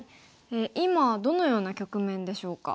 今どのような局面でしょうか？